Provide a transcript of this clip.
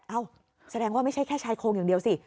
แสดงว่าไม่ใช่แค่ชายโครงอย่างเดียวสิ